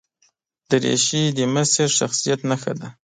دریشي د مشر شخصیت نښه ده.